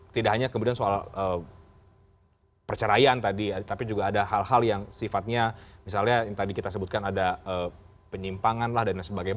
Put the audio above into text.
tidak hanya kemudian soal perceraian tadi tapi juga ada hal hal yang sifatnya misalnya yang tadi kita sebutkan ada penyimpangan lah dan lain sebagainya